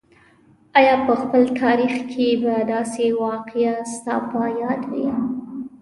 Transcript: آیا په خپل تاریخ کې به داسې واقعه ستا په یاد وي.